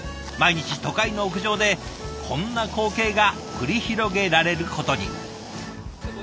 毎日都会の屋上でこんな光景が繰り広げられることに。